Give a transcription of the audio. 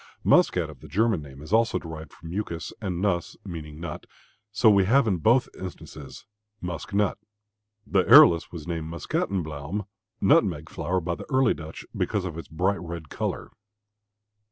"Muskat" of the German name is also derived from "muscus" and "nuss" means nut, so we have in both instances "musk nut." The arillus was named Muscatenbluome (nutmeg flower) by the early Dutch because of its bright red color.